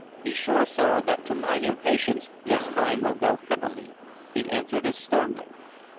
"Be sure, sir, that to my impatience the time will go heavily," he answered as sternly.